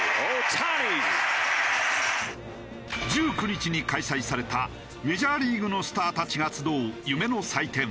１９日に開催されたメジャーリーグのスターたちが集う夢の祭典